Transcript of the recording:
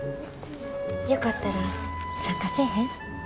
よかったら参加せえへん？